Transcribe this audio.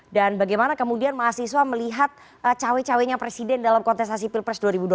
dan bagaimana kemudian mahasiswa melihat cawe cawenya presiden dalam kontestasi pilpres dua ribu dua puluh empat